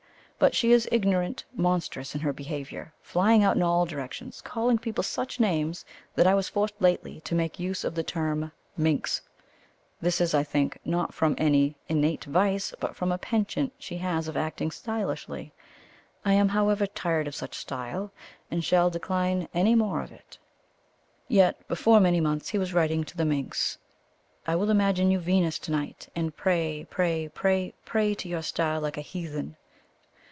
] but she is ignorant monstrous in her behaviour, flying out in all directions, calling people such names that I was forced lately to make use of the term minx; this is, I think, not from any innate vice but from a penchant she has of acting stylishly. I am, however, tired of such style, and shall decline any more of it. Yet before many months he was writing to the "minx," "I will imagine you Venus to night, and pray, pray, pray, pray to your star like a heathen."